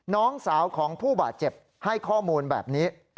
น้องสาวของผู้บาดเจ็บให้ข้อมูลแบบนี้